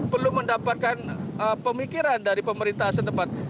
perlu mendapatkan pemikiran dari pemerintah setempat